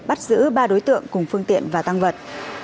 bắt giữ ba đối tượng cùng phương tiện và tăng vật